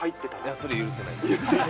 それは許せないです。